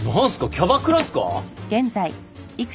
キャバクラっすか？